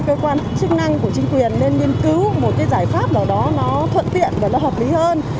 cơ quan chủ quán các cơ quan chức năng của chính quyền nên nghiên cứu một cái giải pháp nào đó nó thuận tiện và nó hợp lý hơn